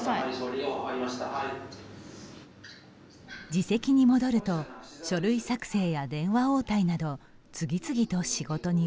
自席に戻ると書類作成や電話応対など次々と仕事に追われます。